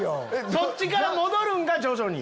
そっちから戻るんが徐々に。